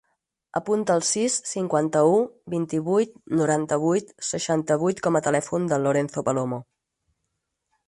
Apunta el sis, cinquanta-u, vint-i-vuit, noranta-vuit, seixanta-vuit com a telèfon del Lorenzo Palomo.